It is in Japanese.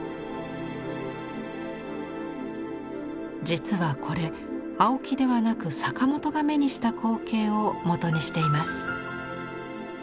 実はこれ青木ではなく坂本が目にした光景をもとにしています。